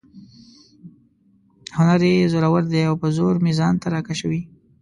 هنر یې زورور دی او په زور مې ځان ته را کشوي.